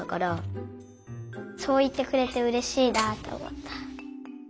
そういってくれてうれしいなとおもった。